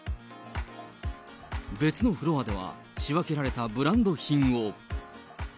別のフロアでは、仕分けられたブランド品を。